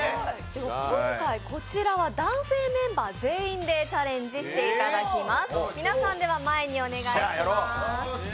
今回こちらは男性メンバー全員でチャレンジしていただきます。